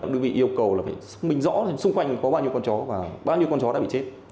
đơn vị yêu cầu là phải xác minh rõ xung quanh có bao nhiêu con chó và bao nhiêu con chó đã bị chết